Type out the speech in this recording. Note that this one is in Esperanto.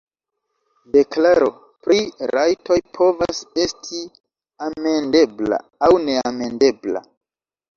Deklaro pri rajtoj povas esti "amendebla" aŭ "neamendebla".